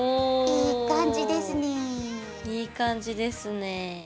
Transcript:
いい感じですね。